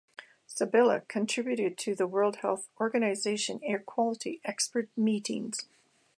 Saliba contributed to the World Health Organization Air Quality Expert Meetings.